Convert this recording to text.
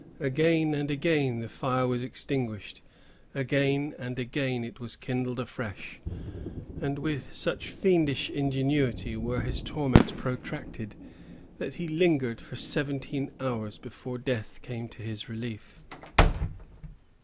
Again and again the fire was extinguished; again and again it was kindled afresh; and with such fiendish ingenuity were his torments protracted, that he lingered for seventeen hours before death came to his relief.